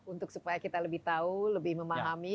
untuk supaya kita lebih tahu lebih memahami